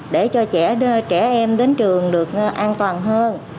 để cho trẻ em đến trường được an toàn hơn